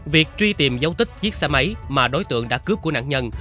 việc truy tìm dấu tích chiếc xe máy mà đối tượng đã cướp của nạn nhân